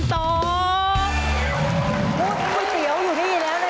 พูดไปเตี๋ยวอยู่ที่นี่แล้วนะครับ